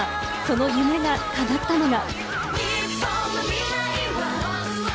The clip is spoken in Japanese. その夢がかなったのが。